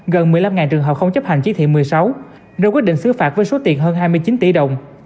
gần một mươi năm trường hợp không chấp hành chỉ thị một mươi sáu rồi quyết định xứ phạt với số tiền hơn hai mươi chín tỷ đồng